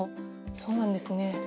そうなんですね。